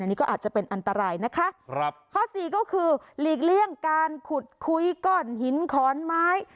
อันนี้ก็อาจจะเป็นอันตรายนะคะครับข้อสี่ก็คือหลีกเลี่ยงการขุดคุยก้อนหินขอนไม้